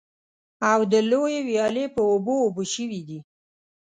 او د لویې ويالې په اوبو اوبه شوي دي.